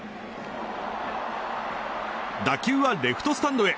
打球はレフトスタンドへ。